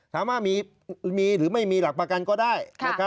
ถามว่ามีหรือไม่มีหลักประกันก็ได้